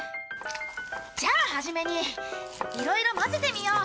じゃあ初めにいろいろ混ぜてみよう！